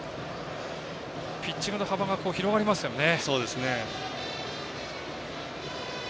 ピッチングの幅が広がりますよね。